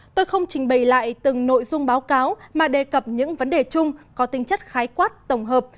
tôi không trình bày lại từng nội dung báo cáo mà đề cập những vấn đề chung có tinh chất khái quát tổng hợp